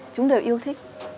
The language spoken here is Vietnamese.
chúng đều yêu thích